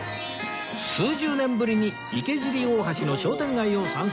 数十年ぶりに池尻大橋の商店街を散策